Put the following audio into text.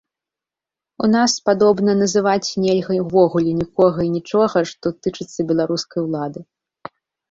У нас, падобна, называць нельга ўвогуле нікога і нічога, што тычыцца беларускай улады.